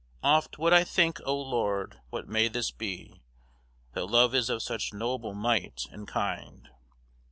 Oft would I think, O Lord, what may this be, That love is of such noble myght and kynde?